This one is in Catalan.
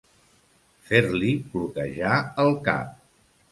Fer-li cloquejar el cap.